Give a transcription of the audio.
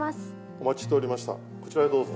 お待ちしておりましたこちらへどうぞ。